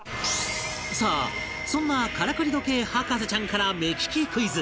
さあそんなからくり時計博士ちゃんから目利きクイズ